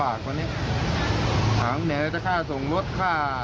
หังแหน่งเศรษฐธิภาคส่งรถข้า